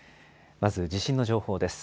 まず地震の情報です。